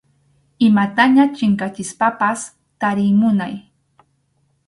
Imataña chinkachispapas tariy munay.